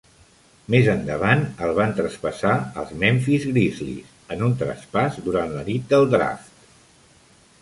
Més endavant el van traspassar als Memphis Grizzlies en un traspàs durant la nit del draft.